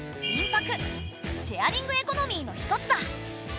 シェアリングエコノミーのひとつだ。